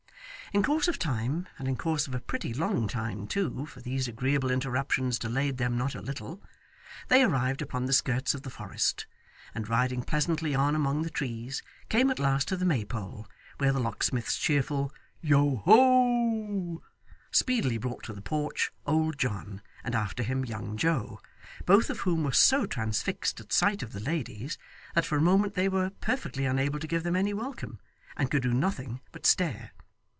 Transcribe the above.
In course of time and in course of a pretty long time too, for these agreeable interruptions delayed them not a little, they arrived upon the skirts of the Forest, and riding pleasantly on among the trees, came at last to the Maypole, where the locksmith's cheerful 'Yoho!' speedily brought to the porch old John, and after him young Joe, both of whom were so transfixed at sight of the ladies, that for a moment they were perfectly unable to give them any welcome, and could do nothing but stare.